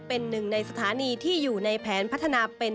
เป็นหนึ่งในสถานีที่อยู่ในแผนพัฒนาเป็น